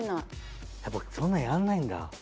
やっぱそんなやんないんだ。